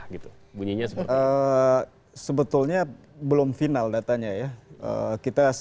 sebetulnya belum final datanya ya